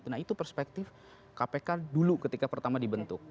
nah itu perspektif kpk dulu ketika pertama dibentuk